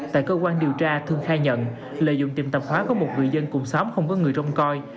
tại cơ quan điều tra thương khai nhận lợi dụng tìm tập hóa của một người dân cùng xóm không có người trông coi